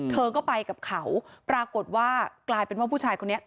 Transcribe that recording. เธอก็ไปกับเขาปรากฏว่ากลายเป็นว่าผู้ชายคนนี้